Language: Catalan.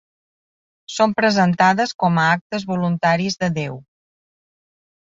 Són presentades com a actes voluntaris de Déu.